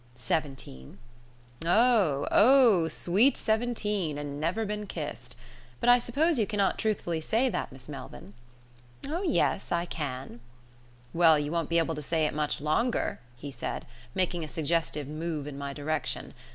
"Seventeen." "Oh! oh! 'sweet seventeen, and never been kissed'; but I suppose you cannot truthfully say that, Miss Melvyn?" "Oh yes, I can." "Well, you won't be able to say it much longer," he said, making a suggestive move in my direction.